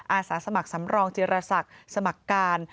อาสาสมัครสำรองจิรษักสมัครการ